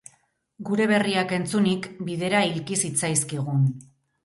Gure berriak entzunik, bidera ilki zitzaizkigun.